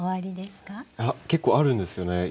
いや結構あるんですよね。